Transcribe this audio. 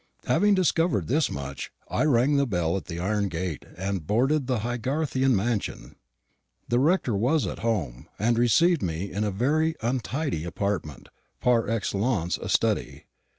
Having discovered thus much, I rang the bell at the iron gate and boarded the Haygarthian mansion. The rector was at home, and received me in a very untidy apartment, par excellence a study.